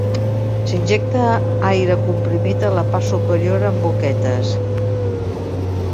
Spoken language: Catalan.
S'injecta aire comprimit a la part superior amb boquetes.